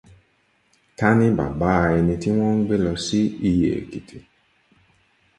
Ta ni Bàbá ẹni tí wọ́n ń gbé lọ sí Iyé Èkìtì?